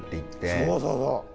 そうそうそう。